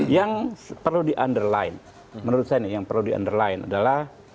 yang perlu di underline menurut saya yang perlu di underline adalah